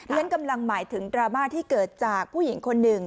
ฉันกำลังหมายถึงดราม่าที่เกิดจากผู้หญิงคนหนึ่ง